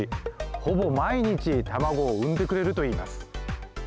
ほぼ毎日卵を産んでくれると言います。